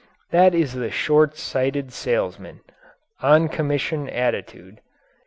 That is the shortsighted salesman on commission attitude.